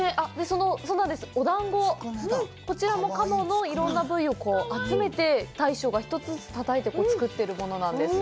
お団子、こちらも鴨のいろんな部位を集めて大将が１つずつたたいて作っているものなんです。